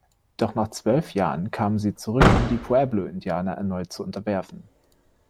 Doch nach zwölf Jahren kamen sie zurück, um die Pueblo-Indianer erneut zu unterwerfen.